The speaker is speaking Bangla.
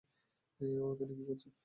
ও এখানে কি করছে?